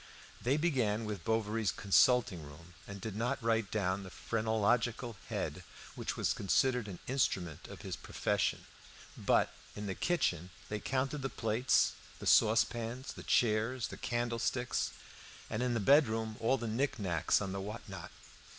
They began with Bovary's consulting room, and did not write down the phrenological head, which was considered an "instrument of his profession"; but in the kitchen they counted the plates; the saucepans, the chairs, the candlesticks, and in the bedroom all the nick nacks on the whatnot.